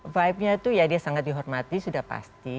vibenya itu ya dia sangat dihormati sudah pasti